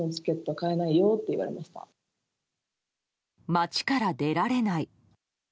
街から出られない。